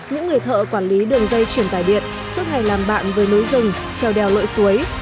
những người thợ quản lý đường dây chuyển tài điện suốt ngày làm bạn với lối dùng trèo đèo lội suối